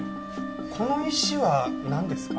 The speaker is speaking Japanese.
この石はなんですか？